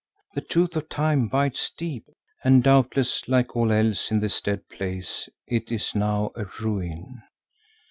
—the tooth of Time bites deep, and doubtless like all else in this dead place it is now a ruin."